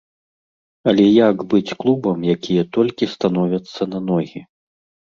Але як быць клубам, якія толькі становяцца на ногі?